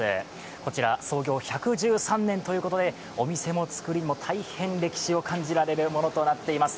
こちら創業１１３年ということでお店もつくりも大変歴史を感じられるものとなっております。